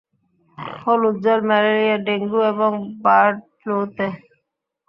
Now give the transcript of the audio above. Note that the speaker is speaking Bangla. হলুদ জ্বর, ম্যালেরিয়া, ডেঙ্গু এবং বার্ড ফ্লুতে?